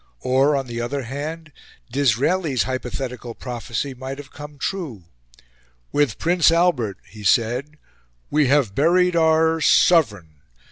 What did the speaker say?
Or, on the other hand, Disraeli's hypothetical prophecy might have come true. "With Prince Albert," he said, "we have buried our... sovereign.